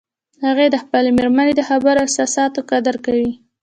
هغه د خپلې مېرمنې د خبرو او احساساتو قدر کوي